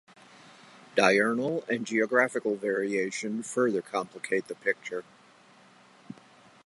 Diurnal and geographical variation further complicate the picture.